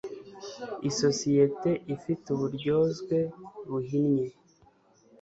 isosiyete ifite uburyozwe buhinnye